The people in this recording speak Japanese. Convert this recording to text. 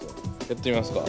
やってみますか。